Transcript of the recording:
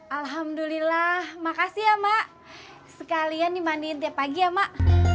alhamdulillah makasih ya mak sekalian dimani tiap pagi ya mak